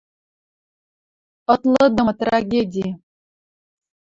ытлыдымы трагеди.